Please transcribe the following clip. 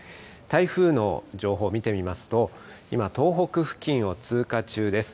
台風の情報を見てみますと、今、東北付近を通過中です。